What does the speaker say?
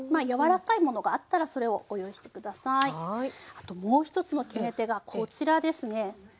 あともう１つの決め手がこちらですね。